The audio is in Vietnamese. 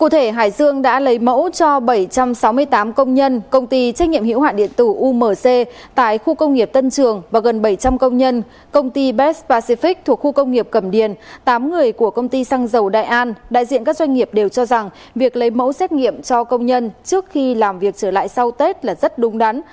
trong công nhân công ty best pacific thuộc khu công nghiệp cầm điền tám người của công ty xăng dầu đại an đại diện các doanh nghiệp đều cho rằng việc lấy mẫu xét nghiệm cho công nhân trước khi làm việc trở lại sau tết là rất đúng đắn